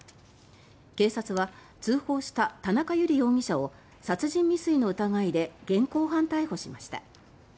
警察は、通報した田中友理容疑者を殺人未遂の疑いで現行犯逮捕しました。